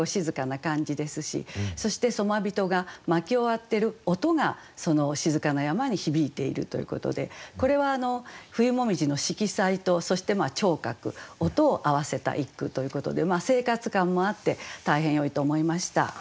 そして杣人が薪を割ってる音がその静かな山に響いているということでこれは冬紅葉の色彩とそして聴覚音を合わせた一句ということで生活感もあって大変よいと思いました。